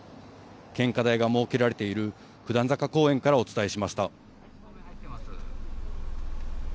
献花台が設けられている九段坂公園からお伝えしました。